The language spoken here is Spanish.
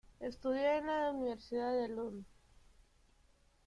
Estudió en la Universidad de Lund.